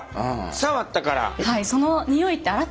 触ったから！